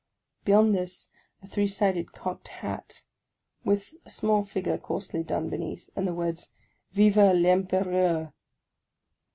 Beyond this, a three sided cocked hat, with a small figure coarsely done beneath, and the words, " Vive PEmpereur